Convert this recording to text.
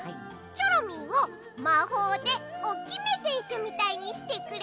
チョロミーをまほうでオキメせんしゅみたいにしてくれない？